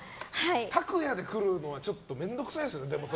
タクヤで来るのはちょっと面倒くさいですね。